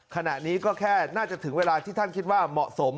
ขณะนี้ก็แค่น่าจะถึงเวลาที่ท่านคิดว่าเหมาะสม